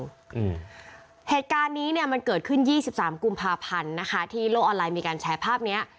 อืมเหตุการณ์นี้เนี้ยมันเกิดขึ้นยี่สิบสามกุมภาพันธ์นะคะที่โลกออนไลน์มีการแชร์ภาพเนี้ย